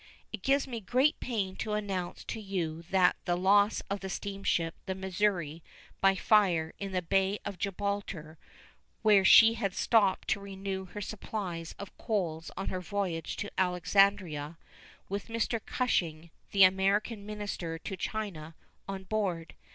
It gives me great pain to announce to you the loss of the steamship the Missouri by fire in the Bay of Gibraltar, where she had stopped to renew her supplies of coal on her voyage to Alexandria, with Mr. Cushing, the American minister to China, on board.